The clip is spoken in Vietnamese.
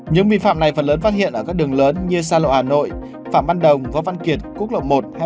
những vi phạm này phần lớn phát hiện ở các đường lớn như sa lộ hà nội phạm văn đồng võ văn kiệt quốc lộ một hai trăm sáu